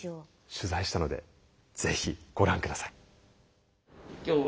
取材したのでぜひご覧下さい。